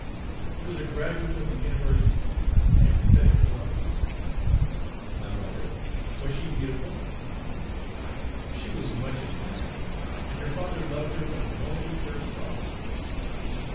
He was a graduate of the University and had studied abroad." "My mother was she beautiful?" "She was much admired, and your father loved her from the moment he first saw her.